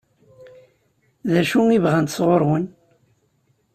D acu i bɣant sɣur-wen?